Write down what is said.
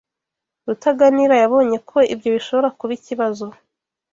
Rutaganira yabonye ko ibyo bishobora kuba ikibazo.